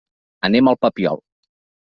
Anem al Papiol.